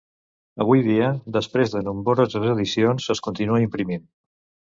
Avui dia, després de nombroses edicions, es continua imprimint.